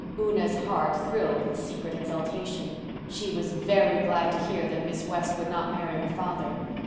Una's heart thrilled with secret exultation. She was very glad to hear that Miss West would not marry her father.